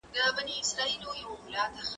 زه به چپنه پاک کړې وي،